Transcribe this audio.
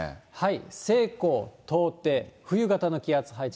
西高東低、冬型の気圧配置。